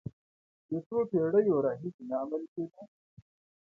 د څو پېړیو راهیسې نه عملي کېده.